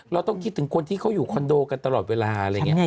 เราต้องคิดถึงคนที่เขาอยู่คอนโดกันตลอดเวลาอะไรอย่างนี้